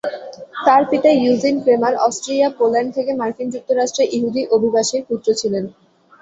তার পিতা Eugene Kremer Austria-Poland থেকে মার্কিন যুক্তরাষ্ট্রে ইহুদি অভিবাসীর পুত্র ছিলেন।